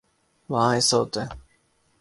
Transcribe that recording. وہاں ایسا ہوتا ہے۔